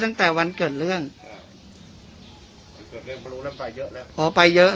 ตั้งแต่วันเกิดเรื่องอ่าเกิดเรื่องเขารู้แล้วไปเยอะแล้ว